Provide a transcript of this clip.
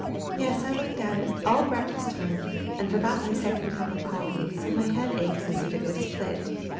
"Yes, I looked at it all breakfast time, and forgot my second cup of coffee, so my head aches as if it would split.